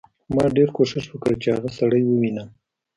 ما ډېر کوښښ وکړ چې هغه سړی ووینم